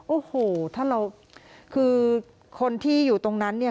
โอ้โหถ้าเราคือคนที่อยู่ตรงนั้นเนี่ย